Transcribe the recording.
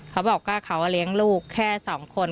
เขาบอกว่าเขาเลี้ยงลูกแค่๒คน